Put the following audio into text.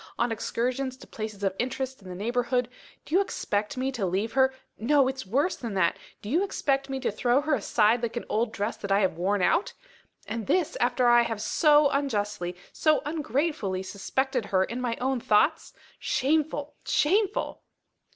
on excursions to places of interest in the neighbourhood, do you expect me to leave her no! it's worse than that do you expect me to throw her aside like an old dress that I have worn out? And this after I have so unjustly, so ungratefully suspected her in my own thoughts? Shameful! shameful!"